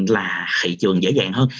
là thị trường dễ dàng hơn